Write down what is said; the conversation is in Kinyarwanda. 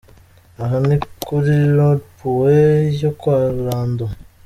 Aha ni kuri Rond-point yo kwa Rando.